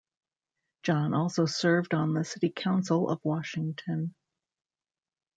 John also served on the City Council of Washington.